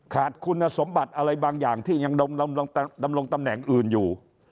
ขาดคุณสมบัติอะไรบางอย่างที่ยังดำรงตำแหน่งอื่นอยู่